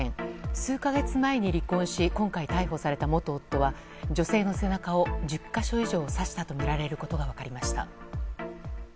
数か月前に離婚し今回逮捕された元夫は女性の背中を１０か所以上刺したとみられることが分かりました。